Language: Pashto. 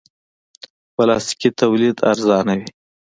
پلاستيکي تولید ارزانه وي.